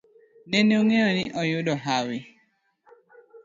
Nene ong'eyo ni oyudo hawi